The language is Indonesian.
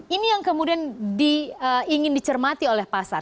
ini yang kemudian ingin dicermati oleh pasar